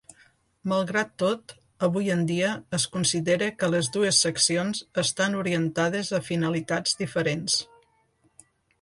Malgrat tot, avui en dia es considera que les dues seccions estan orientades a finalitats diferents.